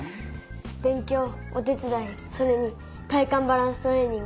勉強お手伝いそれに体幹バランストレーニングをします！